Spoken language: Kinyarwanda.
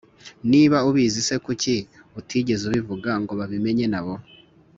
niba ubuzi se kuki utigeze ubivuga ngo babimenye nabo